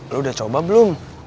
lo udah coba belum